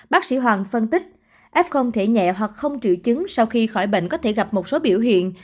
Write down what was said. bác sĩ hoàng phân tích f thể nhẹ hoặc không triệu chứng sau khi khỏi bệnh có thể gặp một số biểu hiện